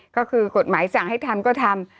ก็คือกฎหมายสั่งให้ทำก็ทำ